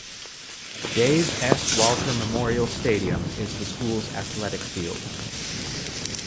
Dave S. Walter Memorial Stadium is the school's athletic field.